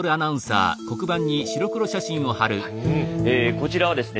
こちらはですね